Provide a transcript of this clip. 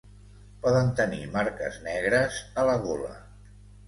Poden tenir marques negres a la gola.